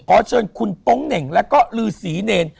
ขอเชิญคุณโป๊งเหน่งแล้วก็ลือศรีเนร